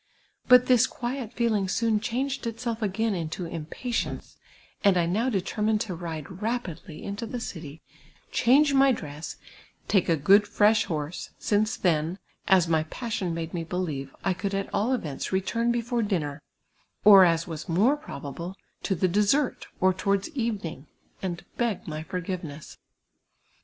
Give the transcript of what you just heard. But this quiet feeling soon changed itself again into impatience, and I now determined to ride rapidly into the city, change my dress, take a good, fresh horse, since then, as my passion made me believe, I could at all events return before dinner, or, as was more probable, to the dessert, or towards evening, and beg my forgiveness.